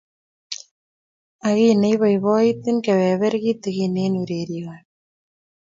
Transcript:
Ma kiy nei poipoiti . Kebeber kitikin eng' ureryoni.